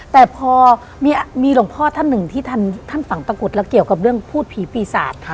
แต่พอมีหลวงพ่อท่านหนึ่งที่ท่านฝังตะกุดแล้วเกี่ยวกับเรื่องพูดผีปีศาจ